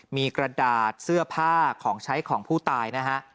มีกระดาษเสื้อผ้าของใช้ของผู้ตายนะฮะ